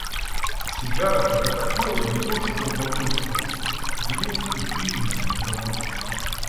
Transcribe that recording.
Сигара — это такое не то что удовольствие, а венец и признак удовольствия.